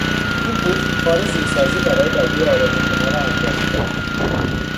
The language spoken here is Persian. این پودر، کار زیرسازی برای بقیهی آرایش شما را انجام میدهد.